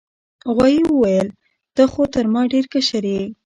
غوايي وویل ته خو تر ما ډیر کشر یې.